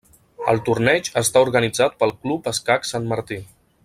El torneig està organitzat pel Club Escacs Sant Martí.